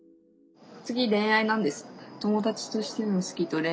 次恋愛なんです。